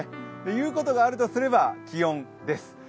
言うことがあるとすれば気温です。